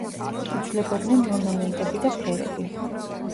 იცვლებოდნენ ორნამენტები და ფერები.